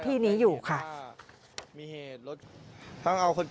เยี่ยมมากครับ